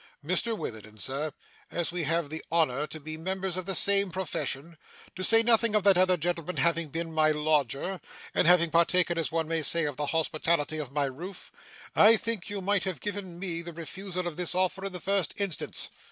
Mr Witherden, sir, as we have the honour to be members of the same profession to say nothing of that other gentleman having been my lodger, and having partaken, as one may say, of the hospitality of my roof I think you might have given me the refusal of this offer in the first instance.